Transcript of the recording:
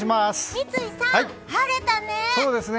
三井さん、晴れたね。